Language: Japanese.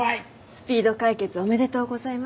スピード解決おめでとうございます。